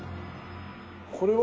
これは？